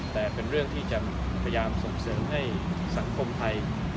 แต่เป็นเรื่องที่จะพยายามส่งเสริมให้สังคมไทย